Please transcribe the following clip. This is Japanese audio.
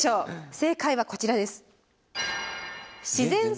正解はこちらです。